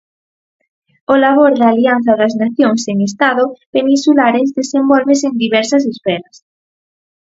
O labor da alianza das nacións sen estado peninsulares desenvolvese en diversas esferas.